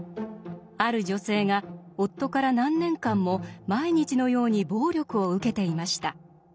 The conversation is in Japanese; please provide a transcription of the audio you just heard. ある女性が夫から何年間も毎日のように暴力を受けていました。